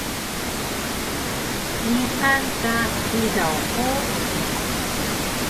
Niqan ka idaw hug?